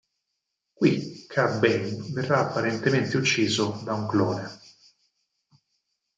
Qui Cad Bane verrà apparentemente ucciso da un clone.